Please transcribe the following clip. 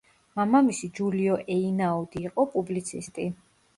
მამამისი ჯულიო ეინაუდი იყო პუბლიცისტი.